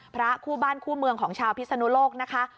พระคู่บ้านคู่เมืองของชาวพิศนุโลกนะคะ